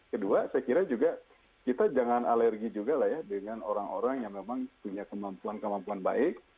kedua saya kira juga kita jangan alergi juga lah ya dengan orang orang yang memang punya kemampuan kemampuan baik